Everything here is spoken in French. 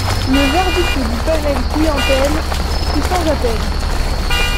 Le verdict du panel clientèle fut sans appel.